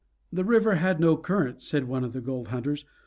"The river had no current," said one of the gold hunters.